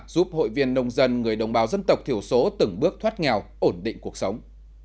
giúp hội viên nông dân người đồng bào dân tộc thiểu số từng bước thoát nghèo ổn định cuộc sống